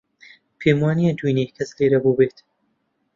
پێم وانییە دوێنێ کەس لێرە بووبێت.